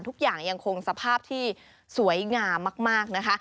ทุกอย่างยังคงสภาพที่สวยงามมากนะคะ